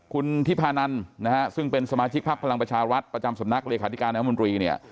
คุณฟาใช่ซึ่งเป็นสมาชิกภาพกำลังประชารวัตรประจำสมนักเรขาดิการนางม้อนตรีเนี่ย